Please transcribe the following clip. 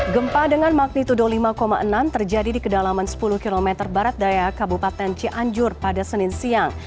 gempa dengan magnitudo lima enam terjadi di kedalaman sepuluh km barat daya kabupaten cianjur pada senin siang